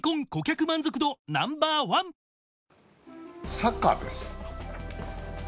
サッカーです。